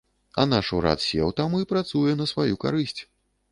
А наш урад сеў там і працуе на сваю карысць.